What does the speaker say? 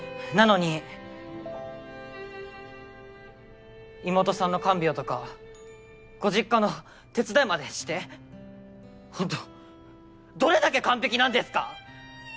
なのに妹さんの看病とかご実家の手伝いまでして本当どれだけ完璧なんですか！？